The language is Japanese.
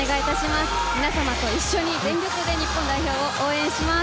皆様と一緒に全力で日本代表を応援します。